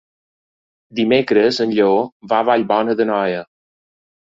Dimecres en Lleó va a Vallbona d'Anoia.